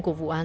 của vụ án